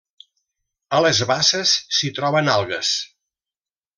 A les basses s'hi troben algues.